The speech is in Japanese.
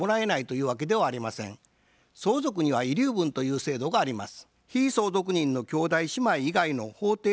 相続には遺留分という制度があります。